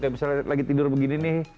kayak misalnya lagi tidur begini nih